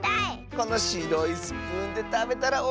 このしろいスプーンでたべたらおいしそう！